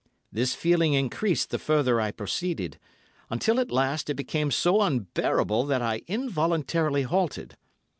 This feeling increased the further I proceeded, until, at last, it became so unbearable that I involuntarily halted.